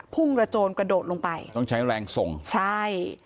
พุ่งกระโจนกระโดดลงไปต้องใช้แรงส่งใช่